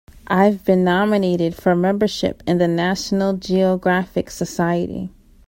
I've been nominated for membership in the National Geographic Society.